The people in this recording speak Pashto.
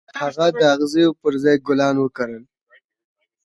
هغه د اغزيو پر ځای ګلان وکرل.